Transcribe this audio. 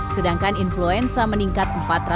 sedangkan influenza meningkat empat ratus